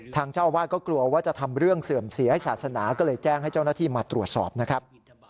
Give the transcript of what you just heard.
ทางเจ้าอาวาสก็กลัวว่าจะทำเรื่องเสื่อมเสียให้ศาสนาก็เลยแจ้งให้เจ้าหน้าที่มาตรวจสอบนะครับ